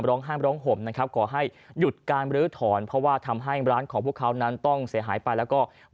ร้องไห้ร้องห่มนะครับขอให้หยุดการบรื้อถอนเพราะว่าทำให้ร้านของพวกเขานั้นต้องเสียหายไปแล้วก็